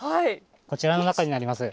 こちらの中になります。